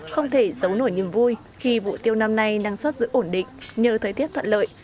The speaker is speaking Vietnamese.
không thể giấu nổi niềm vui khi vụ tiêu năm nay năng suất giữ ổn định nhờ thời tiết thuận lợi